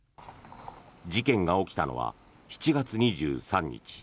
事件が起きたのは７月２３日。